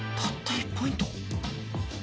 １ポイント？